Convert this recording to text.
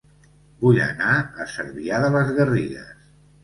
Vull anar a Cervià de les Garrigues